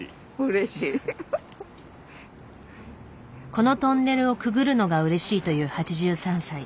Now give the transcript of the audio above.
このトンネルをくぐるのがうれしいという８３歳。